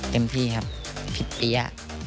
เต็มที่ครับฟิดปรี๊ะ